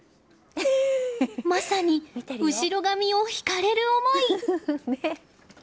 まさに後ろ髪を引かれる思い。